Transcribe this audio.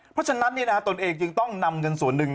เพราะฉะนั้นตนเองจึงต้องนำเงินส่วนหนึ่ง